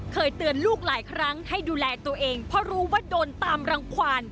เคยเตือนลูกหลายครั้งให้ดูแลตัวเองเพราะรู้ว่าโดนตามรังความ